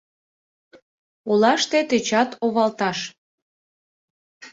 Олаште тӧчат овалташ.